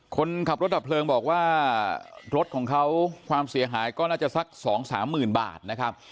คนขับรถดับเพลิงบอกว่ารถของเขาความเสียหายก็น่าจะสักสองสามหมื่นบาทนะครับ